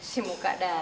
si muka datang